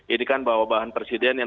jadi kan bahwa bahan presiden yang